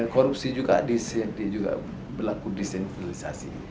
korupsi juga berlaku desentralisasi